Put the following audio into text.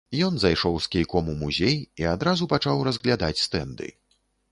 Ён зайшоў з кійком у музей і адразу пачаў разглядаць стэнды.